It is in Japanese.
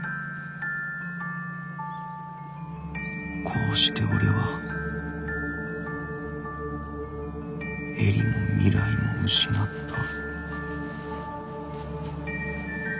こうして俺はエリも未来も失ったごめんなさい。